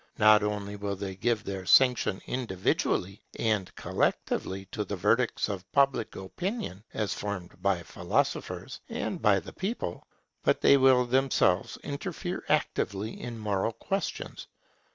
Not only will they give their sanction individually and collectively to the verdicts of public opinion as formed by philosophers and by the people; but they will themselves interfere actively in moral questions.